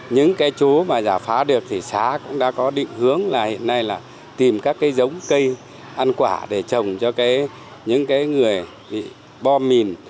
những cái chố mà giả phá được thì xã cũng đã có định hướng là hiện nay là tìm các cái giống cây ăn quả để trồng cho những cái người bị bom mìn